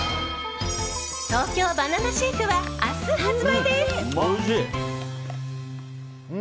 東京ばな奈シェイクは明日発売です。